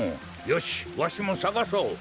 よしわしもさがそう。